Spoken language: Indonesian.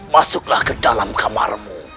masuklah ke dalam kamarmu